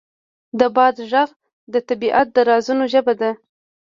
د باد غږ د طبیعت د رازونو ژبه ده.